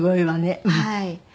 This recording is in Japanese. はい。